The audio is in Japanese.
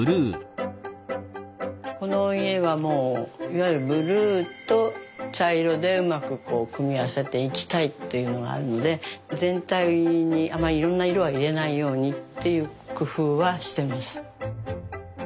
この家はもういわゆるブルーと茶色でうまく組み合わせていきたいっていうのがあるので全体にあんまりいろんな色は入れないようにっていう工夫はしてます。